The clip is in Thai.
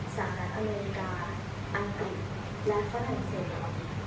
สหรัฐอเมริกาอังกฤษและฝรั่งเศส